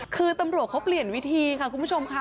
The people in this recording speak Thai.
คือตำรวจเขาเปลี่ยนวิธีค่ะคุณผู้ชมค่ะ